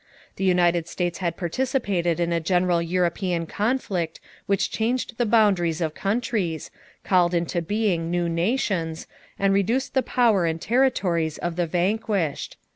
The United States had participated in a general European conflict which changed the boundaries of countries, called into being new nations, and reduced the power and territories of the vanquished.